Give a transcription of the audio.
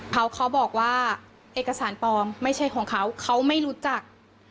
เขาเขาบอกว่าเอกสารปลอมไม่ใช่ของเขาเขาไม่รู้จัก